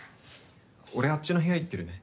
俺あっちの部屋行ってるね。